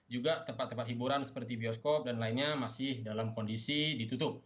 juga tempat tempat hiburan seperti bioskop dan lainnya masih dalam kondisi ditutup